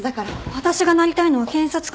私がなりたいのは検察官です。